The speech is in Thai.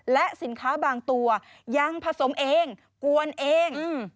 และสินค้าบางตัวยังผสมเองกวนเอง